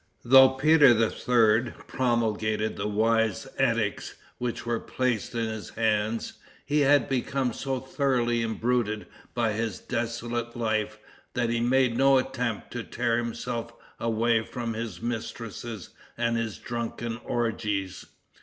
Though Peter III. promulgated the wise edicts which were placed in his hands, he had become so thoroughly imbruted by his dissolute life that he made no attempt to tear himself away from his mistresses and his drunken orgies.